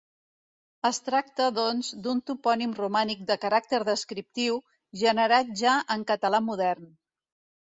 Es tracta, doncs, d'un topònim romànic de caràcter descriptiu, generat ja en català modern.